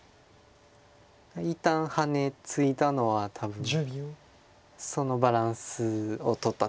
一旦ハネツイだのは多分そのバランスをとった手です。